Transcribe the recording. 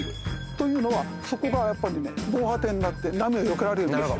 というのはそこがやっぱりね防波堤になって波をよけられるんですよ